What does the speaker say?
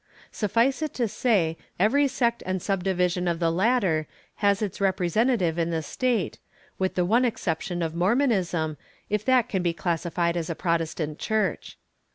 Suffice it to say, that every sect and subdivision of the latter has its representative in the state, with the one exception of Mormonism, if that can be classified as a Protestant church.